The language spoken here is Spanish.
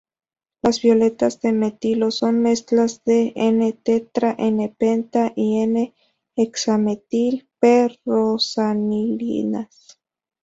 Los violetas de metilo son mezclas de: N-tetra, N-penta y N-hexametil p-rosanilinas.